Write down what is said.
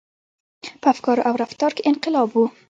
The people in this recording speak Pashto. • په افکارو او رفتار کې انقلاب و.